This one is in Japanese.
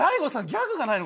「ギャグがない」。